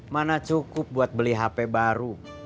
mana cukup buat beli hp baru